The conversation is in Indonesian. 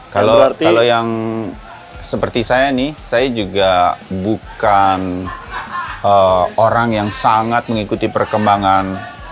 kalau yang seperti saya nih saya juga bukan orang yang sangat mengikuti perkembangan